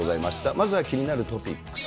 まずは、気になるトピックス。